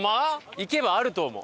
行けばあると思う！